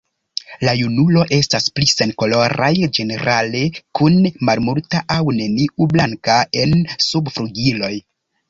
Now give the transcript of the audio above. La junulo estas pli senkoloraj ĝenerale, kun malmulta aŭ neniu blanka en subflugiloj.